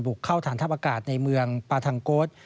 เข้าฐานทัพอากาศในเมืองปาทังโก๊ส